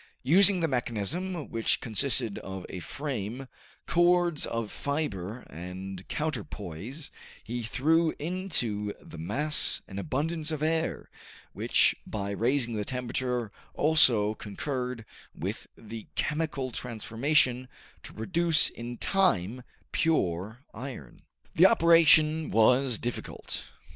Using the mechanism which consisted of a frame, cords of fiber and counterpoise, he threw into the mass an abundance of air, which by raising the temperature also concurred with the chemical transformation to produce in time pure iron. The operation was difficult.